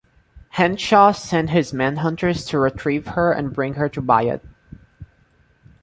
Henshaw sent his Manhunters to retrieve her and bring her to Biot.